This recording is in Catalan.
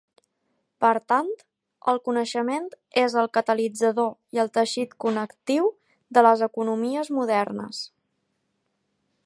Per tant, el coneixement és el catalitzador i el teixit connectiu de les economies modernes.